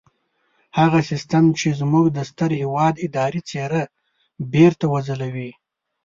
هغه سيستم چې زموږ د ستر هېواد اداري څېره بېرته وځلوي.